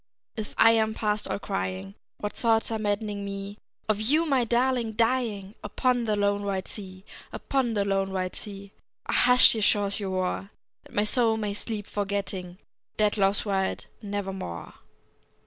If I am past all crying, What thoughts are maddening me, Of you, my darling, dying Upon the lone, wide sea, Upon the lone, wide sea, Ah! hush, ye shores, your roar, That my soul may sleep, forgetting Dead Love's wild Nevermore!